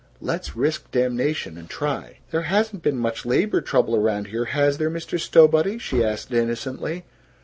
Let's risk damnation and try." "There hasn't been much labor trouble around here, has there, Mr. Stowbody?" she asked innocently.